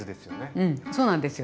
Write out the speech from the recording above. うんそうなんですよ。